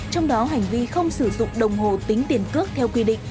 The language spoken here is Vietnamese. trong đó hành vi không sử dụng đồng hồ tính tiền cước theo quy định